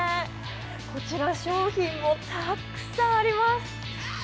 こちら、商品もたくさんあります。